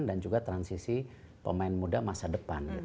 dan juga transisi pemain muda masa depan